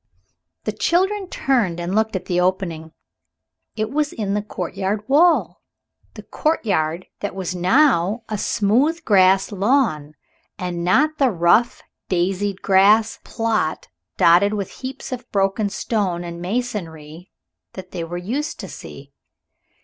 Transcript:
The children turned and looked at the opening. It was in the courtyard wall, the courtyard that was now a smooth grass lawn and not the rough, daisied grass plot dotted with heaps of broken stone and masonry that they were used to see.